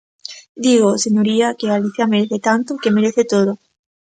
Digo, señoría, que Galicia merece tanto, que merece todo.